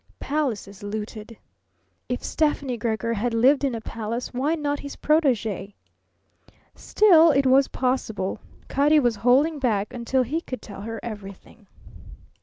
Palaces looted. If Stefani Gregor had lived in a palace, why not his protege? Still, it was possible Cutty was holding back until he could tell her everything.